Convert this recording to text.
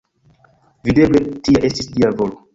Videble, tia estis Dia volo.